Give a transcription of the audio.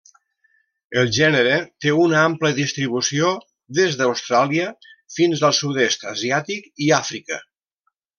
El gènere té una ampla distribució, des d'Austràlia fins al sud-est asiàtic i Àfrica.